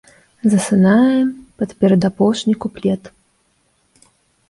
Засынаем пад перадапошні куплет.